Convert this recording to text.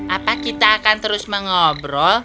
apa kita akan terus mengobrol